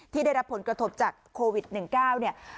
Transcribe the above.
ได้รับผลกระทบจากโควิด๑๙เนี่ย